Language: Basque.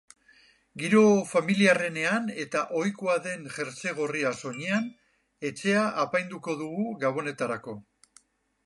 Giro familiarrenean eta ohikoa den jertse gorria soinean, etxea apainduko dugu gabonetarako.